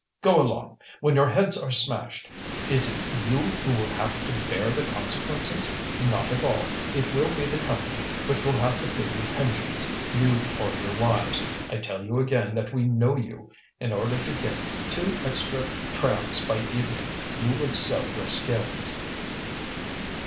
"Go along! when your heads are smashed, is it you who will have to bear the consequences? Not at all! it will be the Company which will have to pay you pensions, you or your wives. I tell you again that we know you; in order to get two extra trams by evening you would sell your skins."